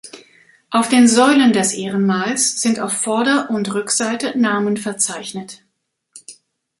Auf den Säulen des Ehrenmals sind auf Vorder- und Rückseite Namen verzeichnet.